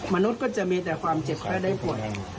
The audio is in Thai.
มนุษย์ก็จะมีแต่ความเจ็บและได้ผล